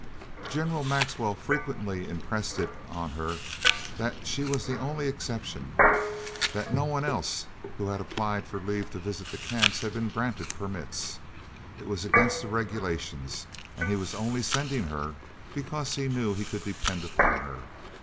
General Maxwell frequently impressed it on her that she was the only exception, that no one else who had applied for leave to visit the Camps had been granted permits it was against the regulations, and he was only sending her because he knew he could depend upon her.